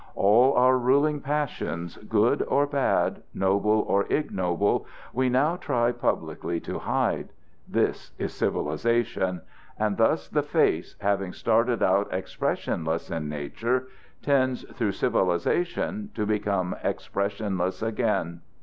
All our ruling passions, good or bad, noble or ignoble, we now try publicly to hide. This is civilization. And thus the face, having started out expressionless in nature, tends through civilization to become expressionless again.